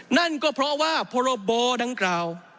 นั่นก็เพราะว่าพรบดังกล่าว